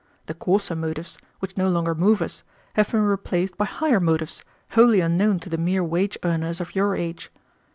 The coarser motives, which no longer move us, have been replaced by higher motives wholly unknown to the mere wage earners of your age.